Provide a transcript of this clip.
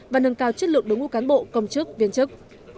và nâng cao chất lượng đối ngũ cán bộ công chức viên chức